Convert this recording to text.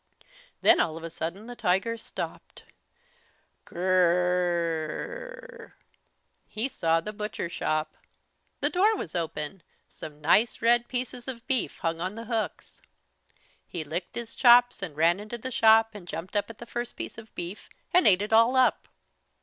Then all of a sudden the tiger stopped. "Girrrrrrrrrrrhhh!" He saw the butcher shop. The door was open. Some nice red pieces of beef hung on the hooks. He licked his chops and ran into the shop and jumped up at the first piece of beef and ate it all up.